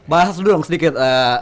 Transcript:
bahas dulu dong sedikit